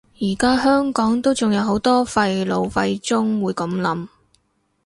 而家香港都仲有好多廢老廢中會噉諗